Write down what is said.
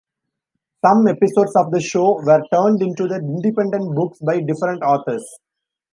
Some episodes of the show were turned into the independent books by different authors.